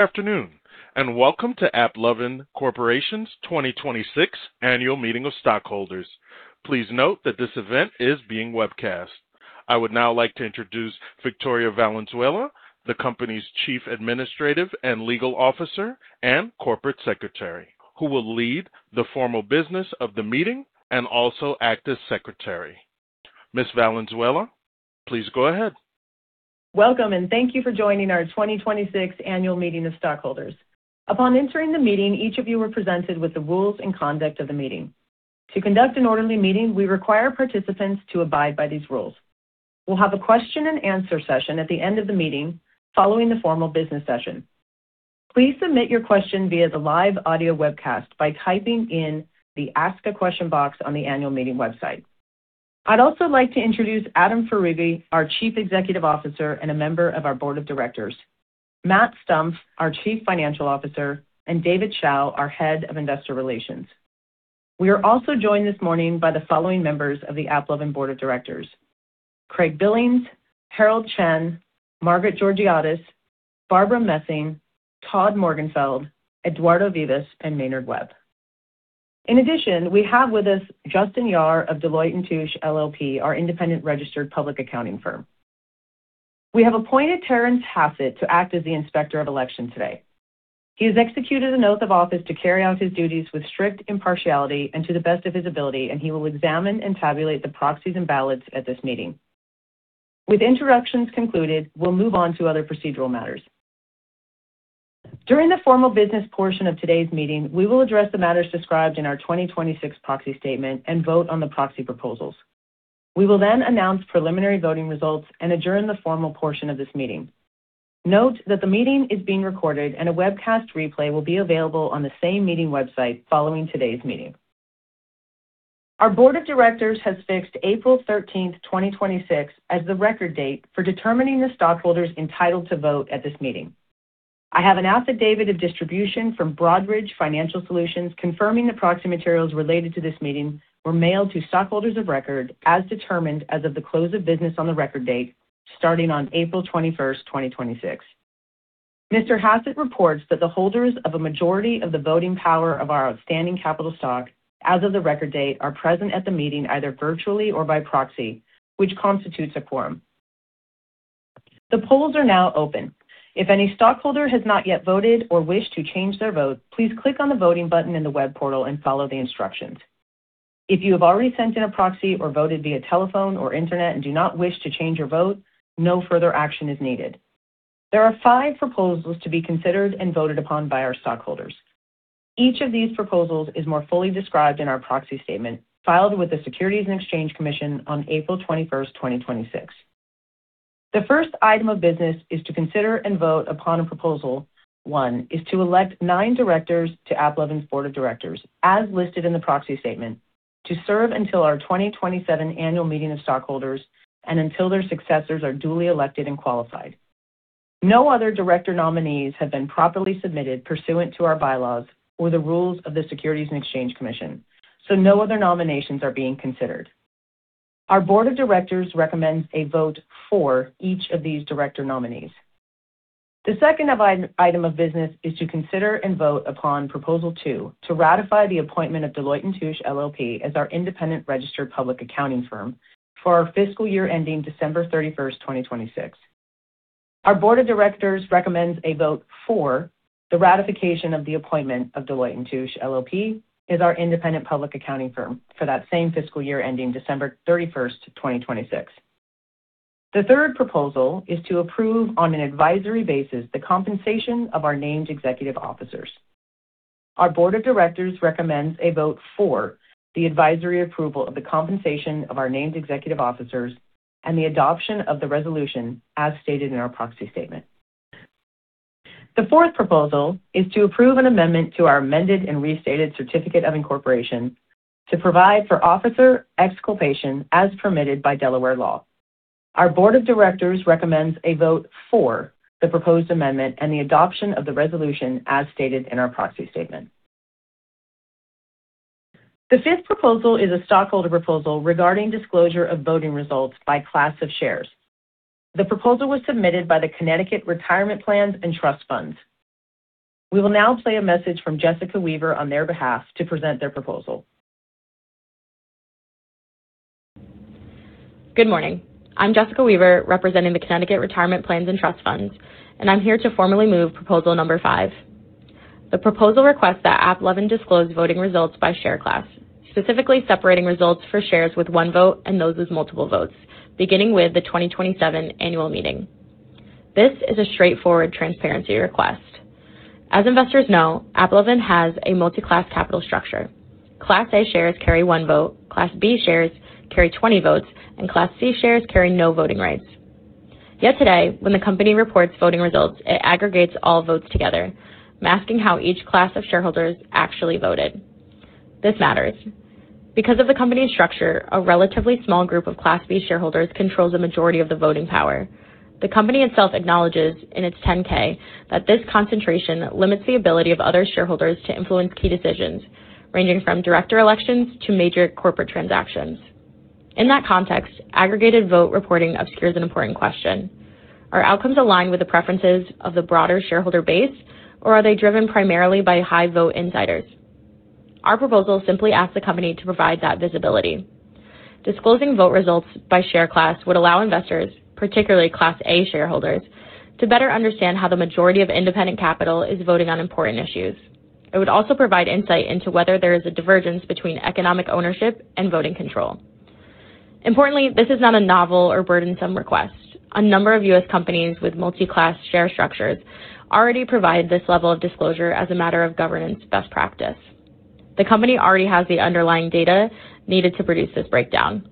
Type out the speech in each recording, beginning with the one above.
Good afternoon, and welcome to AppLovin Corporation's 2026 Annual Meeting of Stockholders. Please note that this event is being webcast. I would now like to introduce Victoria Valenzuela, the company's Chief Administrative and Legal Officer and Corporate Secretary, who will lead the formal business of the meeting and also act as secretary. Ms. Valenzuela, please go ahead. Welcome, and thank you for joining our 2026 Annual Meeting of Stockholders. Upon entering the meeting, each of you were presented with the rules and conduct of the meeting. To conduct an orderly meeting, we require participants to abide by these rules. We'll have a question and answer session at the end of the meeting following the formal business session. Please submit your question via the live audio webcast by typing in the Ask a Question box on the annual meeting website. I'd also like to introduce Adam Foroughi, our Chief Executive Officer and a member of our Board of Directors, Matt Stumpf, our Chief Financial Officer, and David Hsiao, our Head of Investor Relations. We are also joined this morning by the following members of the AppLovin Board of Directors, Craig Billings, Herald Chen, Margaret Georgiadis, Barbara Messing, Todd Morgenfeld, Eduardo Vivas, and Maynard Webb. In addition, we have with us Justin Yahr of Deloitte & Touche LLP, our independent registered public accounting firm. We have appointed Terence Hassett to act as the Inspector of Election today. He has executed an oath of office to carry out his duties with strict impartiality and to the best of his ability, and he will examine and tabulate the proxies and ballots at this meeting. With introductions concluded, we'll move on to other procedural matters. During the formal business portion of today's meeting, we will address the matters described in our 2026 proxy statement and vote on the proxy proposals. We will then announce preliminary voting results and adjourn the formal portion of this meeting. Note that the meeting is being recorded, and a webcast replay will be available on the same meeting website following today's meeting. Our board of directors has fixed April 13th, 2026, as the record date for determining the stockholders entitled to vote at this meeting. I have an affidavit of distribution from Broadridge Financial Solutions confirming the proxy materials related to this meeting were mailed to stockholders of record as determined as of the close of business on the record date, starting on April 21st, 2026. Mr. Hassett reports that the holders of a majority of the voting power of our outstanding capital stock as of the record date are present at the meeting, either virtually or by proxy, which constitutes a quorum. The polls are now open. If any stockholder has not yet voted or wish to change their vote, please click on the voting button in the web portal and follow the instructions. If you have already sent in a proxy or voted via telephone or internet and do not wish to change your vote, no further action is needed. There are five proposals to be considered and voted upon by our stockholders. Each of these proposals is more fully described in our proxy statement filed with the Securities and Exchange Commission on April 21st, 2026. The first item of business is to consider and vote upon a proposal one is to elect nine directors to AppLovin's board of directors, as listed in the proxy statement, to serve until our 2027 annual meeting of stockholders and until their successors are duly elected and qualified. No other director nominees have been properly submitted pursuant to our bylaws or the rules of the Securities and Exchange Commission, so no other nominations are being considered. Our board of directors recommends a vote for each of these director nominees. The second item of business is to consider and vote upon proposal 2, to ratify the appointment of Deloitte & Touche LLP as our independent registered public accounting firm for our fiscal year ending December 31st, 2026. Our board of directors recommends a vote for the ratification of the appointment of Deloitte & Touche LLP as our independent public accounting firm for that same fiscal year ending December 31st, 2026. The third proposal is to approve on an advisory basis the compensation of our named executive officers. Our board of directors recommends a vote for the advisory approval of the compensation of our named executive officers and the adoption of the resolution as stated in our proxy statement. The fourth proposal is to approve an amendment to our amended and restated certificate of incorporation to provide for officer exculpation as permitted by Delaware law. Our board of directors recommends a vote for the proposed amendment and the adoption of the resolution as stated in our proxy statement. The fifth proposal is a stockholder proposal regarding disclosure of voting results by class of shares. The proposal was submitted by the Connecticut Retirement Plans and Trust Funds. We will now play a message from Jessica Weaver on their behalf to present their proposal. Good morning. I'm Jessica Weaver, representing the Connecticut Retirement Plans and Trust Funds, and I'm here to formally move proposal number five. The proposal requests that AppLovin disclose voting results by share class, specifically separating results for shares with one vote and those with multiple votes, beginning with the 2027 annual meeting. This is a straightforward transparency request. As investors know, AppLovin has a multi-class capital structure. Class A shares carry one vote, Class B shares carry 20 votes, and Class C shares carry no voting rights. Yet today, when the company reports voting results, it aggregates all votes together, masking how each class of shareholders actually voted. This matters. Because of the company's structure, a relatively small group of Class B shareholders controls a majority of the voting power. The company itself acknowledges in its 10-K that this concentration limits the ability of other shareholders to influence key decisions, ranging from director elections to major corporate transactions. In that context, aggregated vote reporting obscures an important question. Are outcomes aligned with the preferences of the broader shareholder base, or are they driven primarily by high-vote insiders? Our proposal simply asks the company to provide that visibility. Disclosing vote results by share class would allow investors, particularly Class A shareholders, to better understand how the majority of independent capital is voting on important issues. It would also provide insight into whether there is a divergence between economic ownership and voting control. Importantly, this is not a novel or burdensome request. A number of U.S. companies with multi-class share structures already provide this level of disclosure as a matter of governance best practice. The company already has the underlying data needed to produce this breakdown.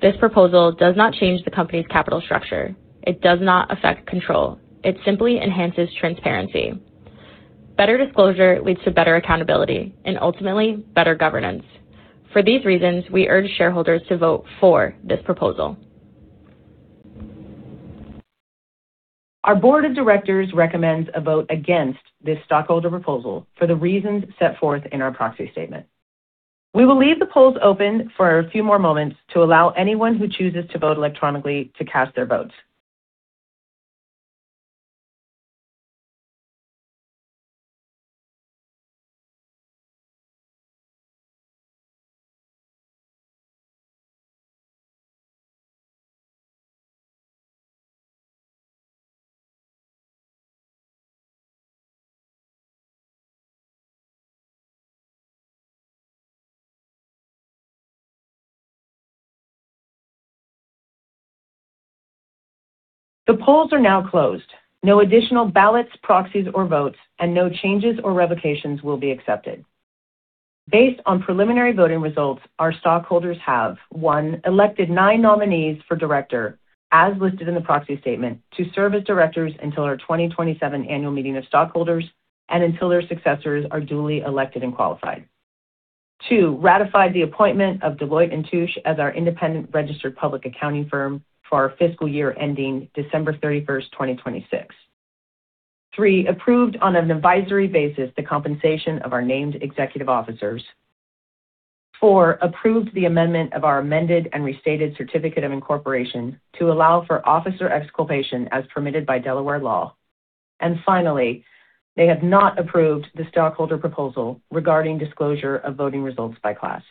This proposal does not change the company's capital structure. It does not affect control. It simply enhances transparency. Better disclosure leads to better accountability and ultimately better governance. For these reasons, we urge shareholders to vote for this proposal. Our board of directors recommends a vote against this stockholder proposal for the reasons set forth in our proxy statement. We will leave the polls open for a few more moments to allow anyone who chooses to vote electronically to cast their votes. The polls are now closed. No additional ballots, proxies, or votes, and no changes or revocations will be accepted. Based on preliminary voting results, our stockholders have, one, elected nine nominees for director, as listed in the proxy statement, to serve as directors until our 2027 annual meeting of stockholders and until their successors are duly elected and qualified. Two, ratified the appointment of Deloitte & Touche as our independent registered public accounting firm for our fiscal year ending December 31st, 2026. Three, approved on an advisory basis the compensation of our named executive officers. Four, approved the amendment of our amended and restated certificate of incorporation to allow for officer exculpation as permitted by Delaware law. Finally, they have not approved the stockholder proposal regarding disclosure of voting results by Class.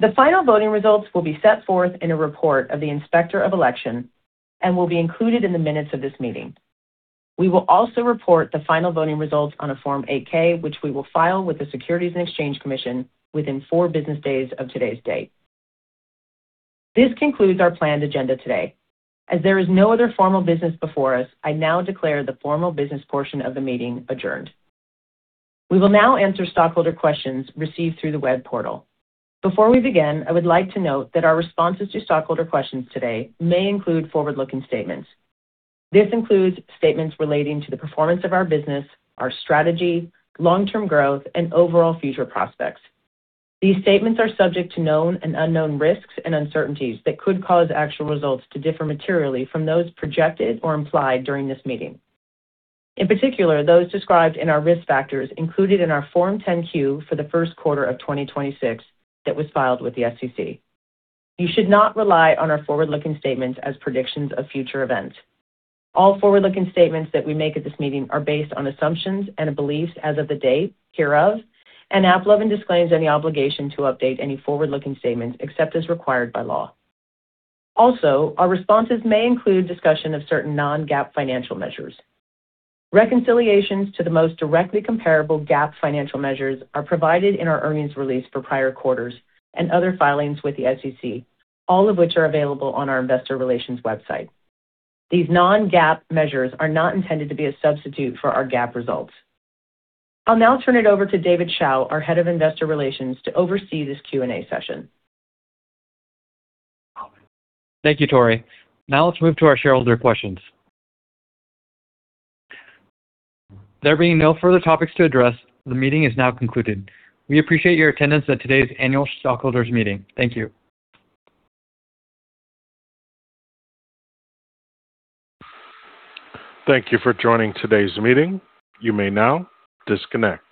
The final voting results will be set forth in a report of the Inspector of Election and will be included in the minutes of this meeting. We will also report the final voting results on a Form 8-K, which we will file with the Securities and Exchange Commission within four business days of today's date. This concludes our planned agenda today. As there is no other formal business before us, I now declare the formal business portion of the meeting adjourned. We will now answer stockholder questions received through the web portal. Before we begin, I would like to note that our responses to stockholder questions today may include forward-looking statements. This includes statements relating to the performance of our business, our strategy, long-term growth, and overall future prospects. These statements are subject to known and unknown risks and uncertainties that could cause actual results to differ materially from those projected or implied during this meeting. In particular, those described in our risk factors included in our Form 10-Q for the first quarter of 2026 that was filed with the SEC. You should not rely on our forward-looking statements as predictions of future events. All forward-looking statements that we make at this meeting are based on assumptions and beliefs as of the date hereof. AppLovin disclaims any obligation to update any forward-looking statements, except as required by law. Our responses may include discussion of certain non-GAAP financial measures. Reconciliations to the most directly comparable GAAP financial measures are provided in our earnings release for prior quarters and other filings with the SEC, all of which are available on our investor relations website. These non-GAAP measures are not intended to be a substitute for our GAAP results. I'll now turn it over to David Hsiao, our Head of Investor Relations, to oversee this Q&A session. Thank you, Tori. Let's move to our shareholder questions. There being no further topics to address, the meeting is now concluded. We appreciate your attendance at today's annual stockholders meeting. Thank you. Thank you for joining today's meeting. You may now disconnect.